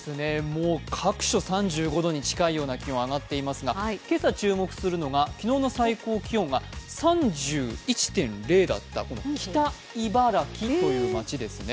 各所３５度に近いような気温上がっていますが、今朝注目するのが、昨日の最高気温が３１．０だった北茨城という町ですね。